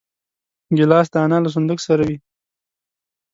ګیلاس د انا له صندوق سره وي.